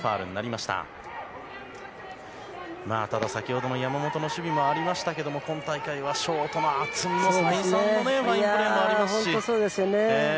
ただ先ほどの山本の守備もありましたが今大会は、ショートの渥美も再三のファインプレーがありますし。